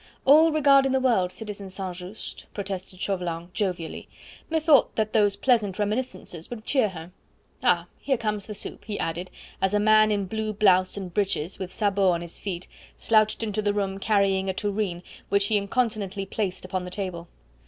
"All regard in the world, citizen St. Just," protested Chauvelin jovially. "Methought that those pleasant reminiscences would cheer her. Ah! here comes the soup," he added, as a man in blue blouse and breeches, with sabots on his feet, slouched into the room, carrying a tureen which he incontinently placed upon the table.